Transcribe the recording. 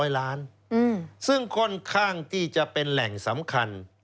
ซึ่งค่อนข้างที่จะเป็นแหล่งสำคัญ